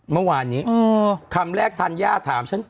เมื่อวานนี้คำแรกธัญญาถามฉัน